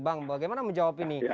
bang bagaimana menjawab ini